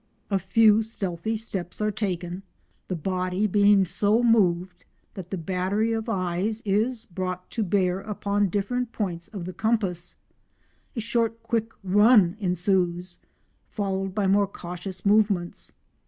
A few stealthy steps are taken, the body being so moved that the battery of eyes is brought to bear upon different points of the compass; a short quick run ensues, followed by more cautious movements.